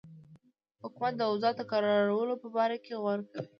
حکومت د اوضاع د کرارولو په باره کې غور کوي.